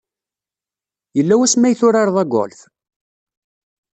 Yella wasmi ay turared agolf?